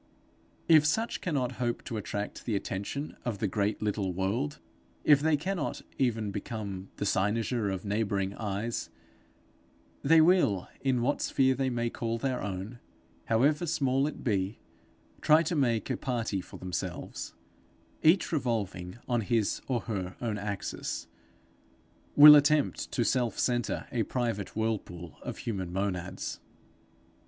If such cannot hope to attract the attention of the great little world, if they cannot even become 'the cynosure of neighbouring eyes,' they will, in what sphere they may call their own, however small it be, try to make a party for themselves; each, revolving on his or her own axis, will attempt to self centre a private whirlpool of human monads.